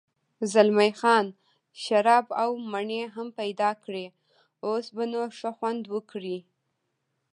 زلمی خان شراب او مڼې هم پیدا کړې، اوس به نو ښه خوند وکړي.